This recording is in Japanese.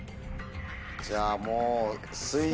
じゃあもう。